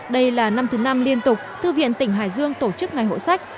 đây là năm thứ năm liên tục thư viện tỉnh hải dương tổ chức ngày hộ sách